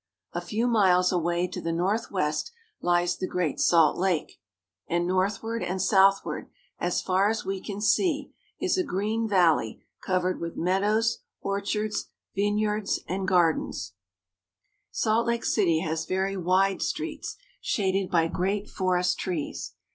A few miles away to the northwest lies the Great Salt Lake ; and north ward and southward, as far as we can see, is a green valley covered with meadows, orchards, vineyards, and gardens. Mm Salt Lake City. 200 THE ROCKY iMOUNTAIN REGION. Salt Lake City has very wide streets, shaded by great forest trees.